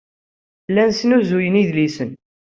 Llan snuzuyen idlisen.